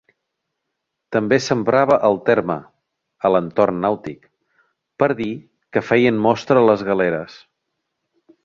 També s'emprava el terme, a l'entorn nàutic, per dir que feien mostra les galeres.